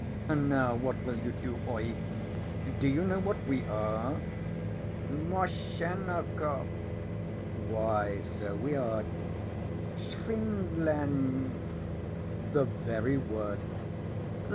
And now what will you do, Oeg? Do you know what we are?" "Moshennekov." "Why, so we are." "Schwindlern." "The very word."